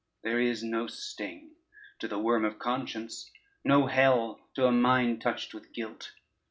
There is no sting to the worm of conscience, no hell to a mind touched with guilt.